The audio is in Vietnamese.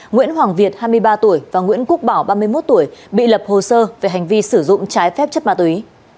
nguyễn hoàng việt hai mươi ba tuổi và nguyễn quốc bảo ba mươi một tuổi bị lập hồ sơ về hành vi sử dụng trái phép chất ma túy